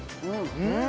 うん！